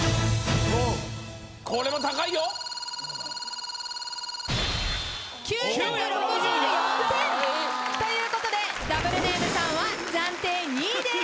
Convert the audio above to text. これも高いよ。ということでダブルネームさんは暫定２位です。